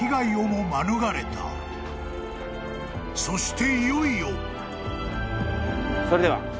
［そしていよいよ］それでは。